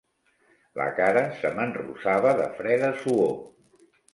La cara se m'enrosava de freda suor.